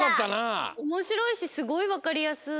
おもしろいしすごいわかりやすい。